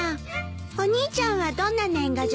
お兄ちゃんはどんな年賀状にするの？